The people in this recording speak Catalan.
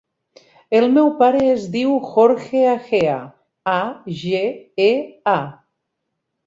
El meu pare es diu Jorge Agea: a, ge, e, a.